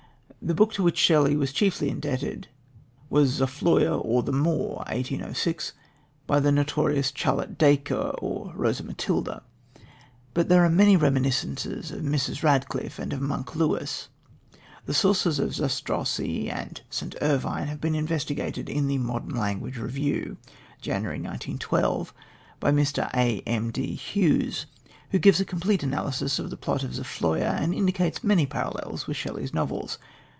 The book to which Shelley was chiefly indebted was Zofloya or the Moor (1806), by the notorious Charlotte Dacre or "Rosa Matilda," but there are many reminiscences of Mrs. Radcliffe and of "Monk" Lewis. The sources of Zastrozzi and St. Irvyne have been investigated in the Modern Language Review (Jan. 1912), by Mr. A. M. D. Hughes, who gives a complete analysis of the plot of Zofloya, and indicates many parallels with Shelley's novels.